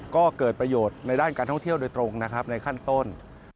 ก็เกิดประโยชน์ในด้านการท่องเที่ยวโดยตรงนะครับในขั้นต้น